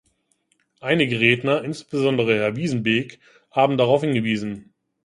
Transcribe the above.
Einige Redner, insbesondere Herr Wijsenbeek, haben darauf hingewiesen.